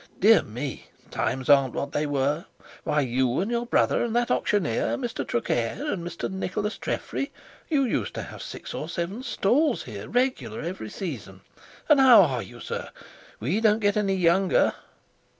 Dear me! Times aren't what they were. Why! you and your brother, and that auctioneer—Mr. Traquair, and Mr. Nicholas Treffry—you used to have six or seven stalls here regular every season. And how are you, sir? We don't get younger!"